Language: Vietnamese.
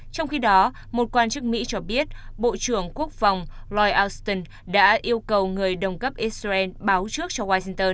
trong khi đó một quan chức mỹ cho biết bộ trưởng quốc phòng loy austin đã yêu cầu người đồng cấp israel báo trước cho washington